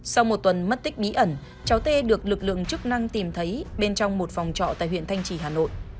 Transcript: sau một tuần mất tích bí ẩn cháu tê được lực lượng chức năng tìm thấy bên trong một phòng trọ tại huyện thanh trì hà nội